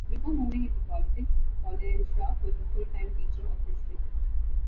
Before moving into politics, Ollerenshaw was a full-time teacher of History.